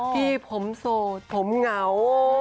พี่ผมโสดผมเหงา